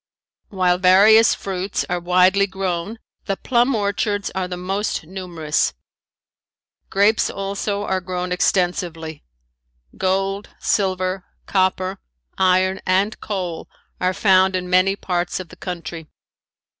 While various fruits are widely grown the plum orchards are the most numerous. Grapes also are grown extensively. Gold, silver, copper, iron and coal are found in many parts of the country.